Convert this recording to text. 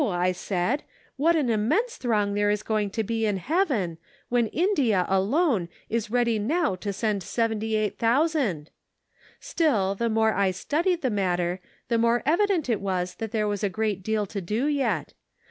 ' I said, 'what an immense throng there is going to be in heaven, when India, alone, is ready now to send seventy eight thousand !' Still, the more I studied the matter, the more evident 494 The Pocket Measure. it was that there was a great deal to do yet.